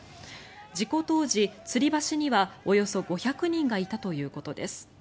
事故当時、つり橋にはおよそ５００人がいたということです。